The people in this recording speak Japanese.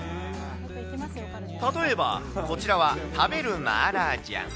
例えばこちらは食べるマーラージャン。